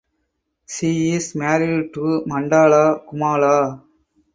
She is married to Mandla Khumalo.